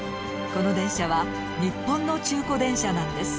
この電車は日本の中古電車なんです。